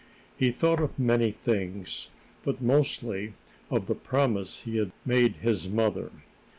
He thought of many things, but mostly of the promise he had made his mother.